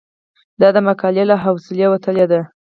دا د دې مقالې له حوصلې وتلې ده.